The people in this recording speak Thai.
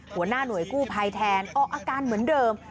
หัวหน้าหน่วยกู้ภัยแทนออกอาการเหมือนเดิม